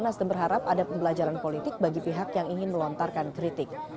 nasdem berharap ada pembelajaran politik bagi pihak yang ingin melontarkan kritik